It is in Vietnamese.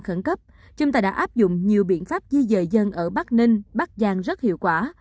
khẩn cấp chúng ta đã áp dụng nhiều biện pháp di dời dân ở bắc ninh bắc giang rất hiệu quả